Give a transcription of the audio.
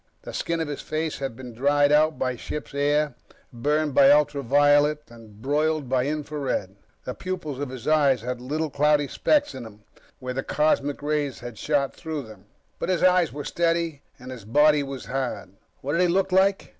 The skin of his face had been dried out by ship's air, burned by ultraviolet and broiled by infra red. The pupils of his eyes had little cloudy specks in them where the cosmic rays had shot through them. But his eyes were steady and his body was hard. What did he look like?